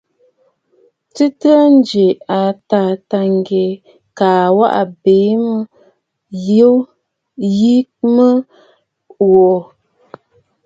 Tɨ̀tɨ̀ɨ̀ a jɨ a Taà Tâŋgyɛ kaa a waʼa mbɛ̀ɛ̀ yìi mə yu təə ghu aa bù ǹzi.